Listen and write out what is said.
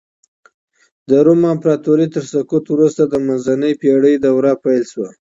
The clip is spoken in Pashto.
د روم امپراطورۍ تر سقوط وروسته د منځنۍ پېړۍ دوره پيل سوه.